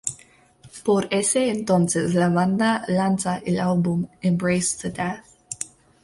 Por ese entonces la banda lanza el álbum "Embrace the Death".